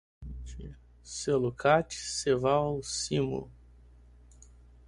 Celucat, Ceval, Cimo